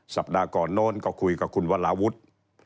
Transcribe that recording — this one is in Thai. สัปดาห์ก่อนโน้นก็คุยกับคุณวราวุฒิ